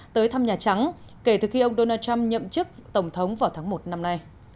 tới thăm nhà trắng kể từ khi ông donald trump nhậm chức tổng thống vào tháng một năm nay